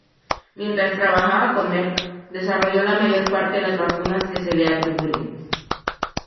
Mientras trabajaba con Merck desarrolló la mayor parte las vacunas que se le atribuyen.